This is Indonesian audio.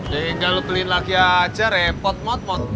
sehingga lu beliin lagi aja repot emot